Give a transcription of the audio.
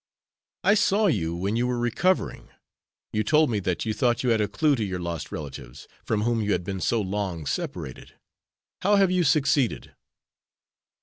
"I saw you when you were recovering. You told me that you thought you had a clue to your lost relatives, from whom you had been so long separated. How have you succeeded?"